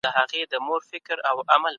د قدرت په ترلاسه کولو کې له عدالته کار واخلئ.